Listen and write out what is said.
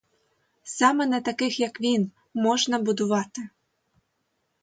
Саме на таких, як він, можна будувати.